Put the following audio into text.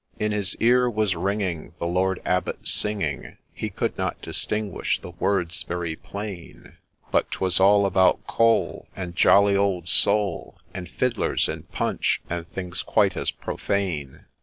In his ear was ringing the Lord Abbot singing, — He could not distinguish the words very plain, But 'twas all about 'Cole,' and 'jolly old Soul,' And ' Fiddlers,' and ' Punch,' and things quite as profane.